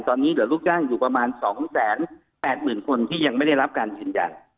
ตอนนี้เหลือลูกจ้างอยู่ประมาณ๒๘๐๐๐คนที่ยังไม่ได้รับการยืนยัน